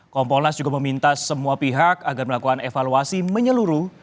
kompolnas juga meminta semua pihak agar melakukan evaluasi menyeluruh